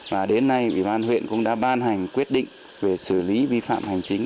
và đến nay ủy ban huyện cũng đã ban hành quyết định về xử lý vi phạm hành chính